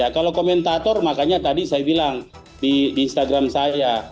kalau komentator makanya tadi saya bilang di instagram saya